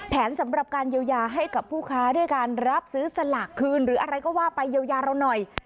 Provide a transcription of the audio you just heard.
สำหรับการเยียวยาให้กับผู้ค้าด้วยการรับซื้อสลากคืนหรืออะไรก็ว่าไปเยียวยาเราหน่อย